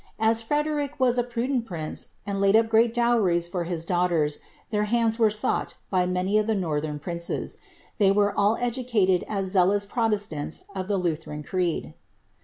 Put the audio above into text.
As Frederic was a prudent prince, and laid up large dowries for his daughters, their hands were sought by many of the northern princes. They were all educated as zealous pro tMtants of the Lutheran creed.